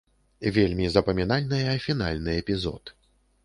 Вельмі запамінальная фінальны эпізод.